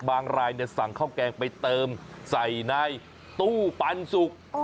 รายสั่งข้าวแกงไปเติมใส่ในตู้ปันสุก